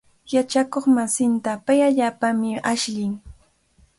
Yachakuqmasinta pay allaapami ashllin.